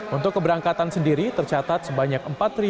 untuk keberangkatan sendiri tercatat sebanyak empat dua ratus empat puluh satu